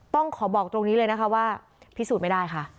ต้องขอบอกตรงนี้เลยนะคะว่าพิสูจน์ไม่ได้ค่ะ